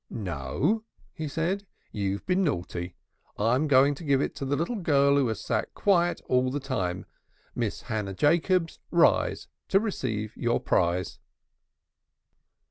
"No," he said, "you've been naughty; I'm going to give it to the little girl who has sat quiet all the time. Miss Hannah Jacobs, rise to receive your prize."